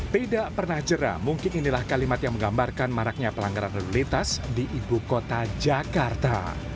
tidak pernah jerah mungkin inilah kalimat yang menggambarkan maraknya pelanggaran lalu lintas di ibu kota jakarta